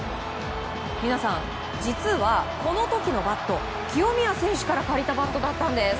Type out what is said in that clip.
皆さん、実はこの時のバット清宮選手から借りたバットだったんです。